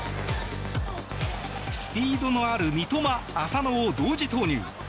スピードのある三笘、浅野を同時投入。